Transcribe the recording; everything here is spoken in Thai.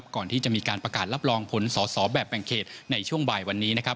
ก่อนที่จะมีการประกาศรับรองผลสอสอแบบแบ่งเขตในช่วงบ่ายวันนี้นะครับ